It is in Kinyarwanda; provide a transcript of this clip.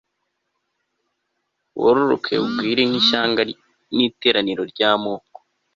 wororoke ugwire nk ishyanga n iteraniro ry amoko